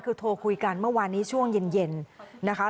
คือโทรคุยกันเมื่อวานนี้ช่วงเย็นนะคะ